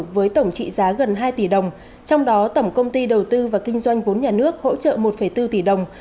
với tổng trị giá gần hai tỷ đồng trong đó tổng công ty đầu tư và kinh doanh vốn nhà nước hỗ trợ một bốn tỷ đồng